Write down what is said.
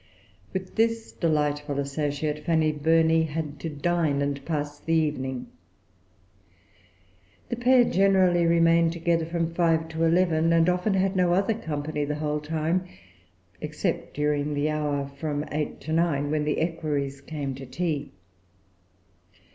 With this delightful associate, Frances Burney had to dine, and pass the evening. The pair generally remained together from five to eleven, and often had no other company the whole time, except during the hour from eight to nine, when the equerries came to tea.